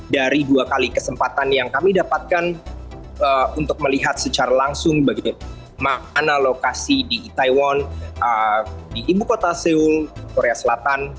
dari dua kali kesempatan yang kami dapatkan untuk melihat secara langsung bagaimana lokasi di itaewon di ibu kota seoul korea selatan